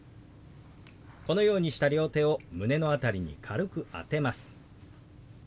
このようにした両手を胸の辺りに軽く当てます。